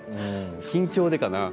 緊張でかな。